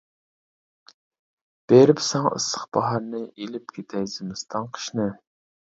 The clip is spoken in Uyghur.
بېرىپ ساڭا ئىسسىق باھارنى، ئېلىپ كېتەي زىمىستان قىشنى.